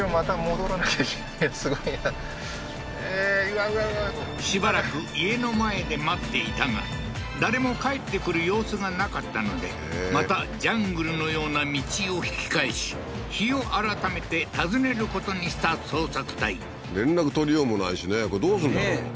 うわしばらく家の前で待っていたが誰も帰ってくる様子がなかったのでまたジャングルのような道を引き返し日を改めて訪ねることにした捜索隊連絡取りようもないしねこれどうするんだろう？